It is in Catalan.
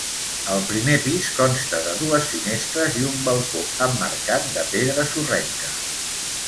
El primer pis consta de dues finestres i un balcó emmarcat de pedra sorrenca.